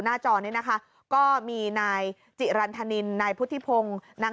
หน้าจอนี้นะคะก็มีนายจิรันทณินนายพุธิพงนาง